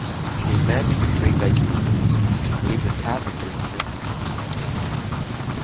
The advantage of prepay systems is you can keep a tab of your expenses.